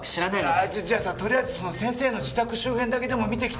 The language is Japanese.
あっじゃあさとりあえず先生の自宅周辺だけでも見てきてよ。